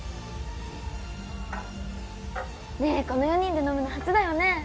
ねえこの４人で飲むの初だよね！